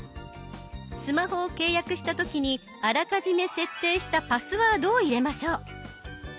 スマホを契約した時にあらかじめ設定したパスワードを入れましょう。